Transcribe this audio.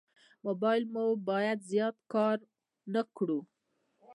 موبایل مو باید زیات کار نه کړو.